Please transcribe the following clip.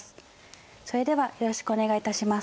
それではよろしくお願いいたします。